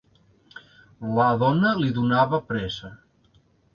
La dona li donava pressa.